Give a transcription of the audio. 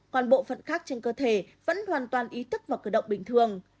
còn bộ phận khác trên cơ thể vẫn hoàn toàn ý thức vào cử động bình thường